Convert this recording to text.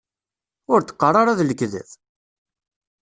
Ur d-qqar ara d lekdeb!